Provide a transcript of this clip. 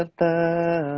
menjadi yang pertama